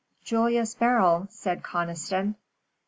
"Julius Beryl," said Conniston.